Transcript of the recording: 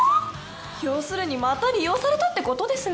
要するにまた利用されたって事ですね。